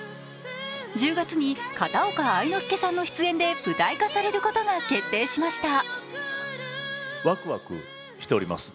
１０月に片岡愛之助さんの出演で舞台化されることが決定しました。